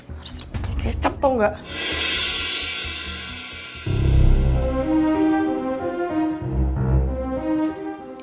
harus diputul kecap tau gak